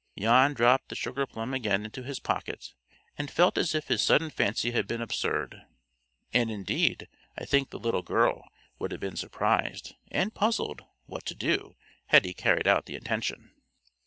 Jan dropped the sugarplum again into his pocket, and felt as if his sudden fancy had been absurd; and indeed I think the little girl would have been surprised and puzzled what to do had he carried out the intention.